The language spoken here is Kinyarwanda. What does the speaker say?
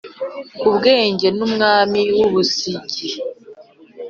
Umwenge n’ umwami w’u Busigi